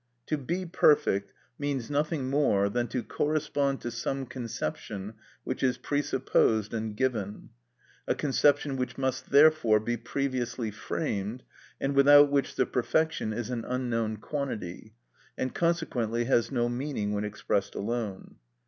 "To be perfect" means nothing more than "to correspond to some conception which is presupposed and given," a conception which must therefore be previously framed, and without which the perfection is an unknown quantity, and consequently has no meaning when expressed alone.